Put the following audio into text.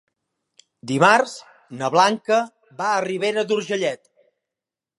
Dimarts na Blanca va a Ribera d'Urgellet.